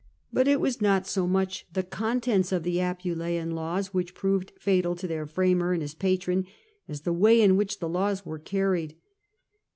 But it was not so much the contents of the Appuleian Laws which proved fatal to their framer and his patron, as the way in which the laws were carried.